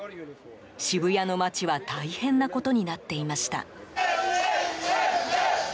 渋谷の街は大変なことになっていました。